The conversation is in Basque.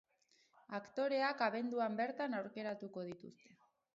Aktoreak abenduan bertan aukeratuko dituzte.